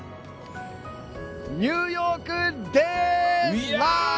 ニューヨークです！